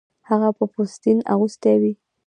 هغه به پوستین اغوستې وې